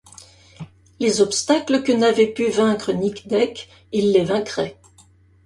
Les obstacles que n’avait pu vaincre Nic Deck, il les vaincrait…